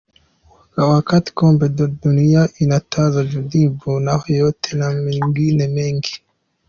Wakati Kombe la Dunia linaanza tunajibu hayo yote na mengine mengi.